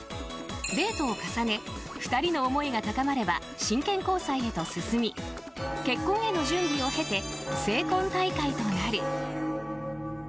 デートを重ね２人の思いが高まれば真剣交際へと進み結婚への準備を経て成婚退会となる。